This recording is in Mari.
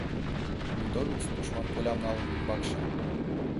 Литовец тушман пулям налын ӱмбакше